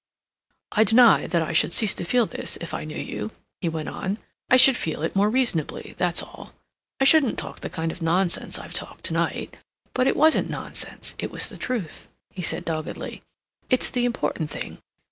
"I deny that I should cease to feel this if I knew you," he went on. "I should feel it more reasonably—that's all. I shouldn't talk the kind of nonsense I've talked to night.... But it wasn't nonsense. It was the truth," he said doggedly. "It's the important thing.